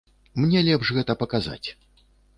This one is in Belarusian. Мне лепш гэта паказаць.